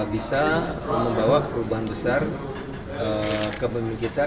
bisa membawa perubahan besar ke pemimpin kita